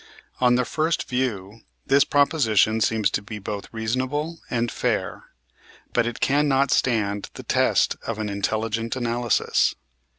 On the first view this proposition seems to be both reasonable and fair, but it cannot stand the test of an intelligent analysis.